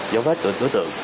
dấu vết của tối tượng